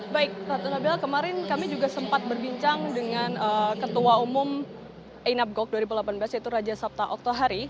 baik ratu nabil kemarin kami juga sempat berbincang dengan ketua umum inapgok dua ribu delapan belas yaitu raja sabta oktohari